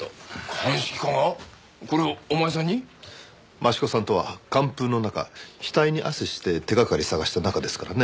益子さんとは寒風の中額に汗して手掛かり探した仲ですからね。